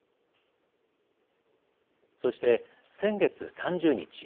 そして、先月３０日。